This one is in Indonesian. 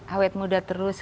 awet muda terus